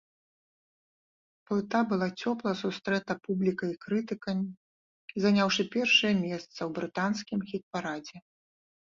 Плыта была цёпла сустрэта публікай і крытыкамі, заняўшы першае месца ў брытанскім хіт-парадзе.